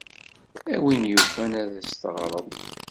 A win yufan ad as-teɣrem.